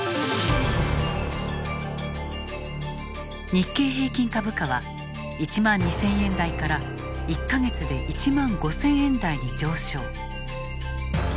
日経平均株価は１万２，０００円台から１か月で１万５，０００円台に上昇。